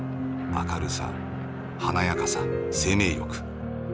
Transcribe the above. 明るさ華やかさ生命力